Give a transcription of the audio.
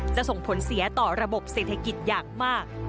ส่งผลเสียต่อระบบเศรษฐกิจอย่างมาก